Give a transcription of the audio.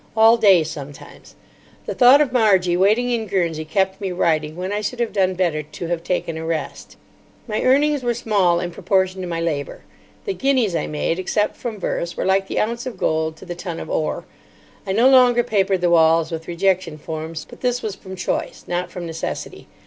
All day, sometimes. The thought of Margie waiting in Guernsey kept me writing when I should have done better to have taken a rest. My earnings were small in proportion to my labour. The guineas I made, except from verse, were like the ounce of gold to the ton of ore. I no longer papered the walls with rejection forms; but this was from choice, not from necessity.